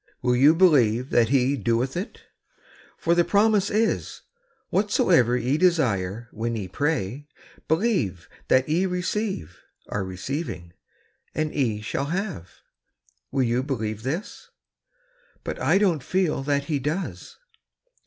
Will you believe that Fie doeth it? For the promise is: 'Whatsoever ye desire when ye pray, believe that ye receive (are receiving), and ye shall have.' Will you believe this?" " But I don't feel that He does."